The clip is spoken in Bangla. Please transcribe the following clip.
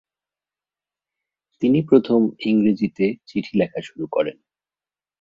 তিনি প্রথম ইংরেজিতে চিঠি লেখা শুরু করেন।